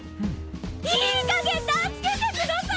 いい加減助けてください！